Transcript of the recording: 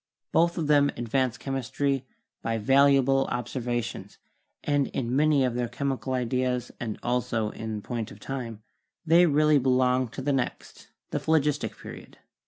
Both of them advanced chemistry by valuable observations, and in many of their chemical ideas and also in point of time, they really belong to the next, the Phlogistic, Period.